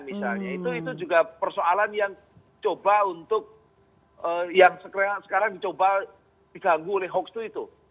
itu juga persoalan yang sekarang dicoba diganggu oleh hoax itu